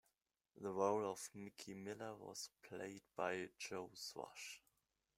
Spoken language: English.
The role of Mickey Miller was played by Joe Swash.